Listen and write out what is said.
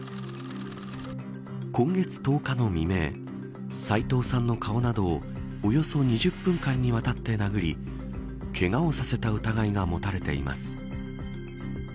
今月１０日の未明斎藤さんの顔などをおよそ２０分間にわたって殴りけがをさせた疑いが持たれています。